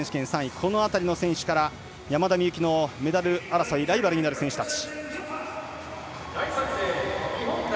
この辺りの選手から山田美幸のメダル争いライバルになる選手たち。